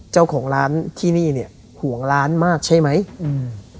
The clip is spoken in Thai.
เจ้าของร้านที่นี่เนี้ยห่วงร้านมากใช่ไหมอืม